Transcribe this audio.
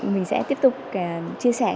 mình sẽ tiếp tục chia sẻ